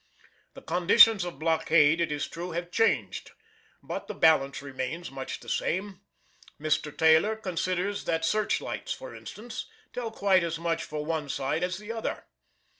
The conditions of blockade, it is true, have changed, but the balance remains much the same. Mr. Taylor considers that search lights, for instance, tell quite as much for one side as the other.